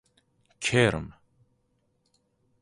کرم